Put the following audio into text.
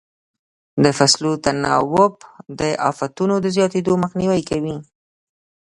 د فصلو تناوب د افتونو د زیاتېدو مخنیوی کوي.